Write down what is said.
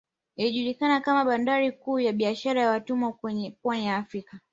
Ilijulikana kama bandari kuu ya biashara ya watumwa kwenye pwani ya Afrika